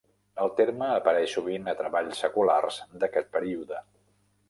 El terme apareix sovint a treballs seculars d'aquest període.